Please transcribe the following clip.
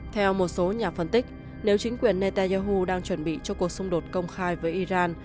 theo một số nhà phân tích nếu chính quyền netanyahu đang chuẩn bị cho cuộc xung đột công khai với iran